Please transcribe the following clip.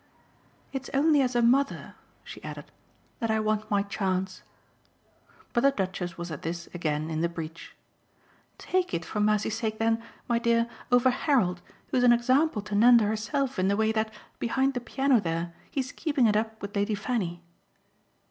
"It's only as a mother," she added, "that I want my chance." But the Duchess was at this again in the breach. "Take it, for mercy's sake then, my dear, over Harold, who's an example to Nanda herself in the way that, behind the piano there, he's keeping it up with Lady Fanny."